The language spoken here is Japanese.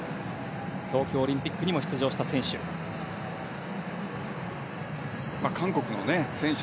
東京オリンピックにも出場した選手。